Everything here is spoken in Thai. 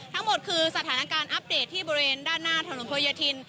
ทั้งหมดคือสถานการณ์อัปเดตที่บริเวณด้านหน้าถนนโพยธิน